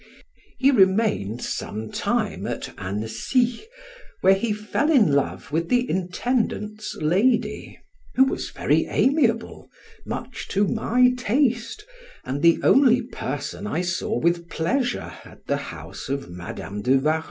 He remained some time at Annecy, where he fell in love with the Intendant's lady, who was very amiable, much to my taste and the only person I saw with pleasure at the house of Madam de Warrens.